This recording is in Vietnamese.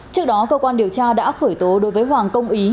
trước đó cơ quan điều tra đã khởi tố đối với hoàng công ý